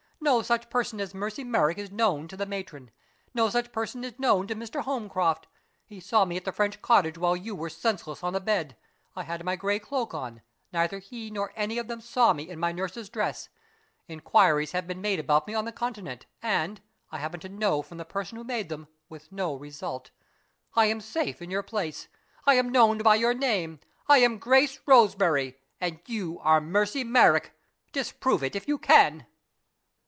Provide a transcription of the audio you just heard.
No such person as Mercy Merrick is known to the matron. No such person is known to Mr. Holmcroft. He saw me at the French cottage while you were senseless on the bed. I had my gray cloak on; neither he nor any of them saw me in my nurse's dress. Inquiries have been made about me on the Continent and (I happen to know from the person who made them) with no result. I am safe in your place; I am known by your name. I am Grace Roseberry; and you are Mercy Merrick. Disprove it, if you can!"